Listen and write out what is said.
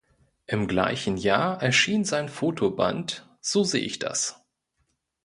Im gleichen Jahr erschien sein Fotoband "so sehe ich das".